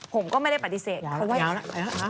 ผมก็ไม่ได้ปฏิเสธเพราะว่ายาวนะ